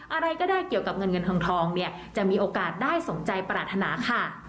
อะไรก็ได้เกี่ยวกับเงินเงินทองเนี่ยจะมีโอกาสได้สมใจปรารถนาค่ะ